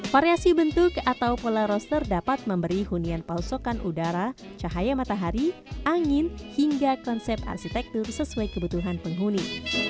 variasi bentuk atau pola roster dapat memberi hunian palsokan udara cahaya matahari angin hingga konsep arsitektur sesuai kebutuhan penghuni